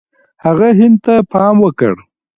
هغه هند ته پام وکړ.